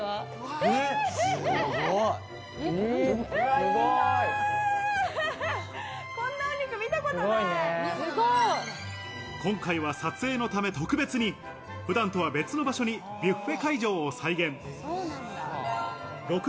すごい！今回は撮影のため特別に普段とは別の場所にビュッフェ会場を再現。